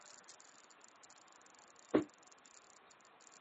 唐朝武德四年属济州。